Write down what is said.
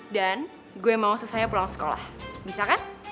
dan gue mau selesainya pulang sekolah bisa kan